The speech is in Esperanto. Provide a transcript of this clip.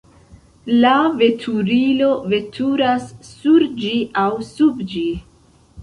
La veturilo veturas sur ĝi aŭ sub ĝi.